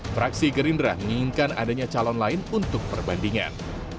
fraksi gerindra menginginkan adanya calon lain untuk perbandingan